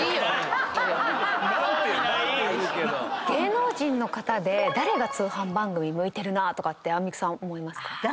芸能人の方で誰が通販番組向いてるなとかってアンミカさん思いますか？